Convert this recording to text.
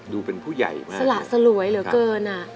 ดูเป็นผู้ใหญ่มากสละสลวยเหลือเกิน